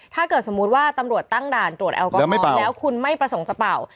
ถ้าเกิดสมมุติว่าตำรวจตั้งด่านตรวจแอลกอฮอล์แล้วคุณไม่ประสงค์จะเป่า